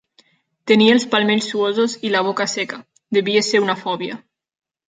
Tenia els palmells suosos i la boca seca; devia ser una fòbia.